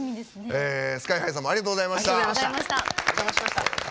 ＳＫＹ‐ＨＩさんもありがとうございました。